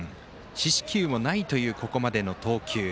四死球もないというここまでの投球。